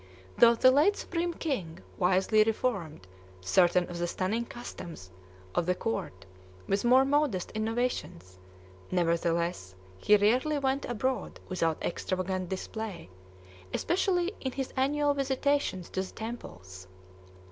Though the late Supreme King wisely reformed certain of the stunning customs of the court with more modest innovations, nevertheless he rarely went abroad without extravagant display, especially in his annual visitations to the temples.